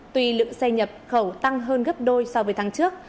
tuy lượng xe nhập khẩu tăng hơn gấp đôi so với tháng trước